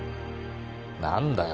何だよ